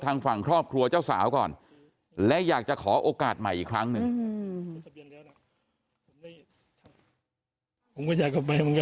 ทางฝั่งครอบครัวเจ้าสาวก่อนและอยากจะขอโอกาสใหม่อีกครั้งหนึ่ง